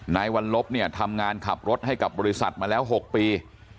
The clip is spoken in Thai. นายวัลลบเนี่ยทำงานขับรถให้กับบริษัทมาแล้ว๖ปี